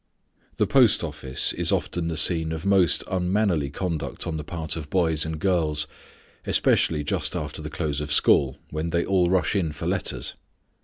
The post office is often the scene of most unmannerly conduct on the part of boys and girls, especially just after the close of school, when they all rush in for letters.